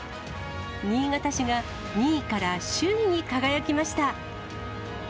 新潟市が２位から首位に輝きました。